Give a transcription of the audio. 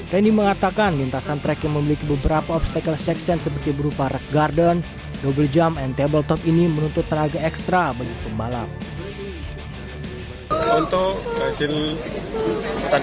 randy mengatakan lintasan track yang memiliki beberapa obstacle section seperti berupa rock garden double jump dan tabletop ini menuntut tenaga ekstra bagi pembalap